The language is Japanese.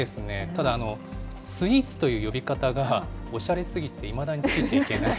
ただ、スイーツという呼び方がおしゃれすぎて、いまだについていけない。